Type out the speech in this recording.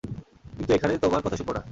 কিন্তু এখানে তোমার কথা শুনব না।